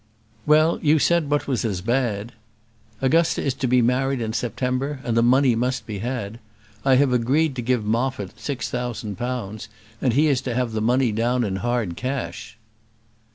"Well, you said what was as bad. Augusta is to be married in September, and the money must be had. I have agreed to give Moffat six thousand pounds, and he is to have the money down in hard cash."